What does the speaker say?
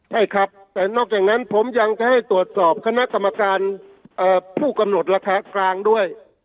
ใช่ครับแต่นอกจากนั้นผมยังจะให้ตรวจสอบคณะกรรมการผู้กำหนดราคากลางด้วย